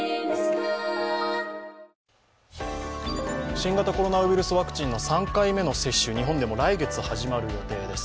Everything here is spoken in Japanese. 新型コロナウイルスワクチンの３回目の接種、日本でも来月始まる予定です。